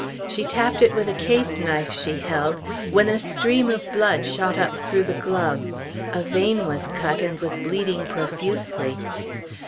She tapped it with a case knife she held, when a stream of blood shot up through the glove. A vein was cut and was bleeding profusely.